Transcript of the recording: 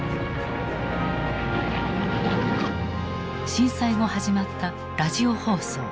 震災後始まったラジオ放送。